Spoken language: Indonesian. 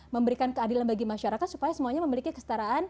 memberikan keadilan bagi masyarakat supaya semuanya memiliki kestaraan